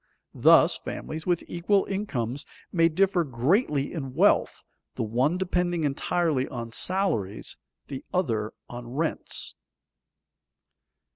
Thus, families with equal incomes may differ greatly in wealth, the one depending entirely on salaries, the other on rents.